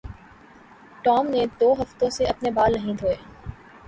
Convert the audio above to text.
Tom نے دو ہفتوں سے اپنے بال نہیں دھوئے